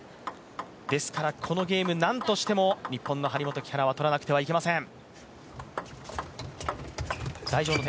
ですから、このゲームなんとしても日本の張本・木原はとらなくてはなりません。